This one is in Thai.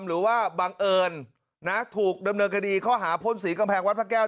หรือว่าบังเอิญนะถูกดำเนินคดีข้อหาพ่นสีกำแพงวัดพระแก้ว